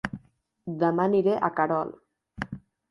Dema aniré a Querol